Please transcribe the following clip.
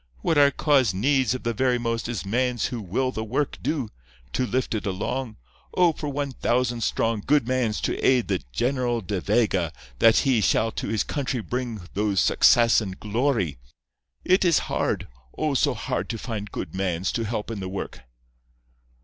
What our cause needs of the very most is mans who will the work do, to lift it along. Oh, for one thousands strong, good mans to aid the General De Vega that he shall to his country bring those success and glory! It is hard—oh, so hard to find good mans to help in the work.